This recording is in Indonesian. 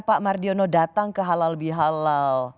pak mardiono datang ke halal bihalal